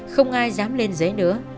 không ai dám lên giấy